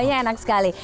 mangganya enak sekali